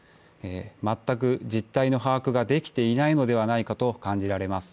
全く実態の把握ができていないのではないかと感じられます。